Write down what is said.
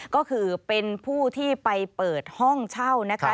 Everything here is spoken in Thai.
ก็คือเป็นผู้ที่ไปเปิดห้องเช่านะคะ